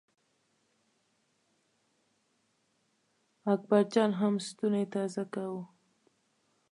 اکبر جان هم ستونی تازه کاوه.